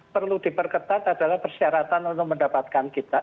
perlu diperketat adalah persyaratan untuk mendapatkan kita